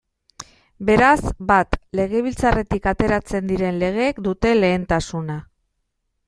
Beraz, bat, Legebiltzarretik ateratzen diren legeek dute lehentasuna.